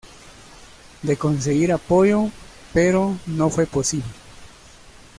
De conseguir apoyo, pero no fue posible.